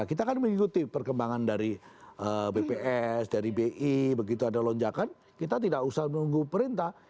kita kan mengikuti perkembangan dari bps dari bi begitu ada lonjakan kita tidak usah menunggu perintah